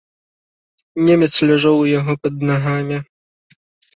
Немец ляжаў у яго пад нагамі.